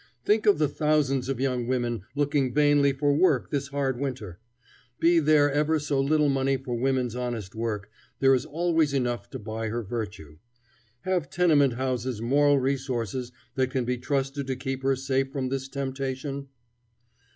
Think of the thousands of young women looking vainly for work this hard winter! Be there ever so little money for woman's honest work, there is always enough to buy her virtue. Have tenement houses moral resources that can be trusted to keep her safe from this temptation?